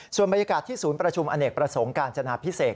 ส่วนบรรยากาศที่ศูนย์ประชุมอเนกประสงค์การจนาพิเศษ